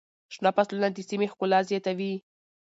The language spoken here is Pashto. شنه فصلونه د سیمې ښکلا زیاتوي.